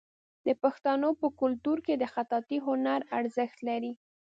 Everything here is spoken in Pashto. د پښتنو په کلتور کې د خطاطۍ هنر ارزښت لري.